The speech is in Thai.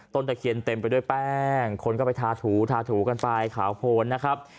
ตะเคียนเต็มไปด้วยแป้งคนก็ไปทาถูทาถูกันไปขาวโพนนะครับ